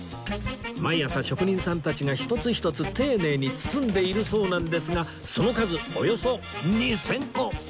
毎朝職人さんたちが一つ一つ丁寧に包んでいるそうなんですがその数およそ２０００個！